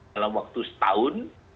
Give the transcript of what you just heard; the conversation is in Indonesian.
dalam waktu setahun